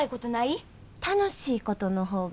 楽しいことの方が多いわ。